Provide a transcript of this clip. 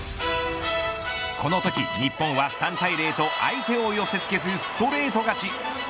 このとき日本は３対０と相手を寄せ付けずストレート勝ち。